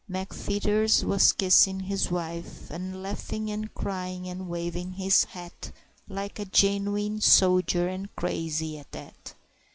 McFeeters was kissing his wife, And laughing and crying and waving his hat Like a genuine soldier, and crazy, at that!